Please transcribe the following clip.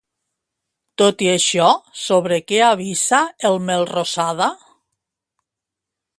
Tot i això, sobre què avisa el Melrosada?